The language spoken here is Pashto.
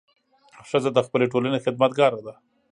ښځه د خپلې ټولنې خدمتګاره ده.